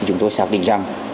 chúng tôi xác định rằng